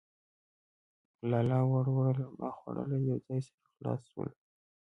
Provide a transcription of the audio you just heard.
لالا وړوله ما خوړله ،. يو ځاى سره خلاص سولو.